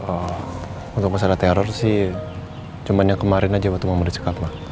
oh untuk masalah teror sih cuman yang kemarin aja waktu mau meresek apa